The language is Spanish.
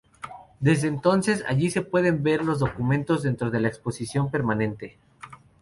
Desde entonces, allí se pueden ver los documentos dentro de la exposición permanente.